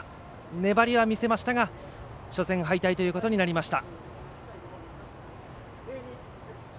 粘りは見せましたが初戦敗退ということになりました。